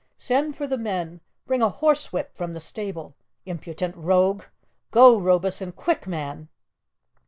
"Send for the men; bring a horsewhip from the stable! Impudent rogue! Go, Robieson quick, man!"